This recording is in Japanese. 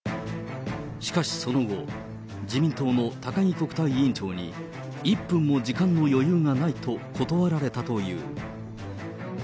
しかしその後、自民党の高木国対委員長に、１分も時間の余裕がないと断られたという。